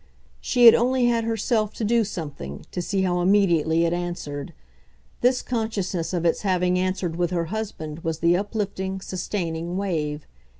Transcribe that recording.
She had only had herself to do something to see how immediately it answered. This consciousness of its having answered with her husband was the uplifting, sustaining wave.